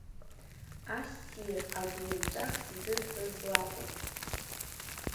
Ассир, агәлымҵәах ззырҳәоз лакәын!